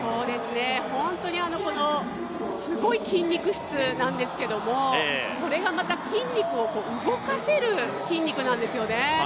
本当にすごい筋肉質なんですけれども、それがまた筋肉を動かせる筋肉なんですよね。